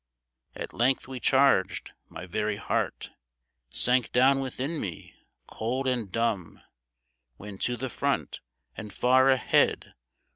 *' At length we charged. My very heart Sank down within me, cold and dumb, When to the front, and far ahead.